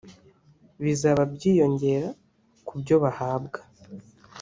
bizaza byiyongera kubyo bahabwa